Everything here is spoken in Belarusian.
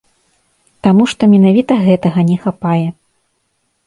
Таму што менавіта гэтага не хапае.